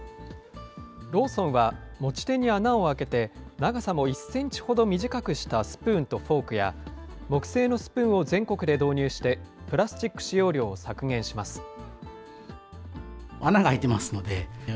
ローソンは、持ち手に穴を開けて、長さも１センチほど短くしたスプーンとフォークや、木製のスプーンを全国で導入して、プラスチック使用量を削減します。